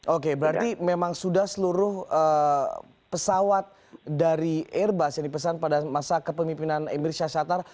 oke berarti memang sudah seluruh pesawat dari airbus yang dipesan pada masa kepemimpinan emir syahshatar